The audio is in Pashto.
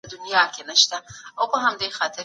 سیاسي بندیان د کار کولو مساوي حق نه لري.